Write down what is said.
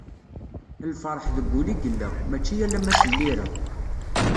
Lferḥ deg wul i yella, mačči alamma s llira.